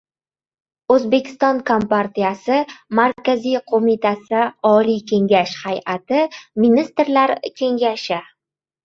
O‘zbekiston Kompartiyasi Markaziy Qo‘mitasi, Oliy Kengash Hay’ati, Ministrlar Kengashi